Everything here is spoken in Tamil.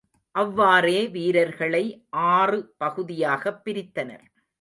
அவ்வாறே வீரர்களை ஆறு பகுதியாகப் பிரித்தனர்.